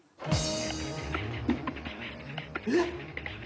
えっ？